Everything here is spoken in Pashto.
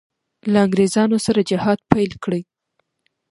له انګرېزانو سره جهاد پیل کړي.